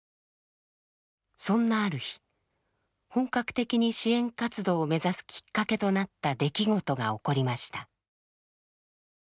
そんなある日本格的に支援活動を目指すきっかけとなった出来事が起こりました。